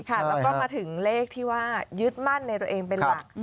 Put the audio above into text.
แล้วก็มาถึงเลขที่ว่ายึดมั่นในตัวเองเป็นหลัก